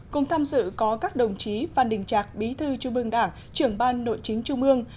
cùng tham dự có các đồng chí phan đình trạc bí thư trung ương đảng trưởng ban nội chính trung ương